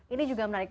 ini juga menarik